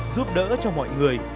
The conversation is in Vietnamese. giúp đỡ cho mọi người